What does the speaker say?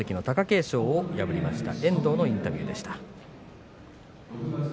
貴景勝に勝った遠藤のインタビューでした。